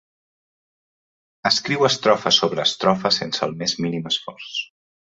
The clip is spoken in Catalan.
Escriu estrofa sobre estrofa sense el més mínim esforç